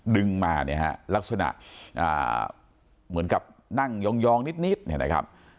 ดึงมาเนี่ยฮะลักษณะเหมือนกับนั่งยองนิดเนี่ยนะครับ